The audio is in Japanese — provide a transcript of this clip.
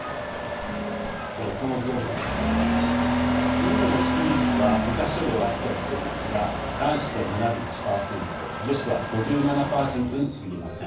インドの識字率は昔より上がってはきていますが男子で７１％女子は５７％にすぎません。